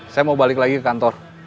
saya mau balik lagi ke kantor